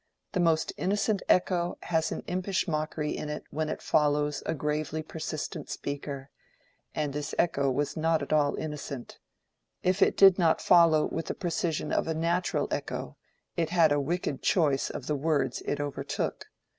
The most innocent echo has an impish mockery in it when it follows a gravely persistent speaker, and this echo was not at all innocent; if it did not follow with the precision of a natural echo, it had a wicked choice of the words it overtook.